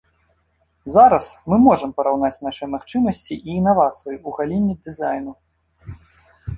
Зараз мы можам параўнаць нашыя магчымасці і інавацыі ў галіне дызайну.